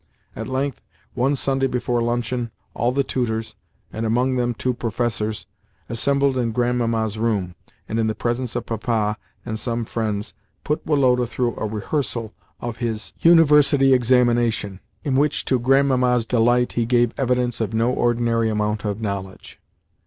At length, one Sunday before luncheon all the tutors—and among them two professors—assembled in Grandmamma's room, and in the presence of Papa and some friends put Woloda through a rehearsal of his University examination—in which, to Grandmamma's delight, he gave evidence of no ordinary amount of knowledge.